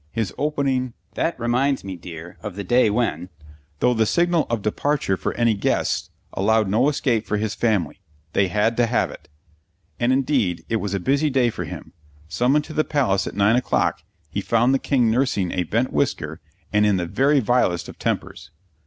His opening, "That reminds me, dear, of the day when " though the signal of departure for any guests, allowed no escape for his family. They had to have it. And indeed it was a busy day for him. Summoned to the Palace at nine o'clock, he found the King nursing a bent whisker and in the very vilest of tempers.